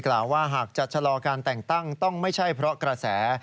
กล่าวว่าหากจะชะลอการแต่งตั้งต้องไม่ใช่เพราะกระแส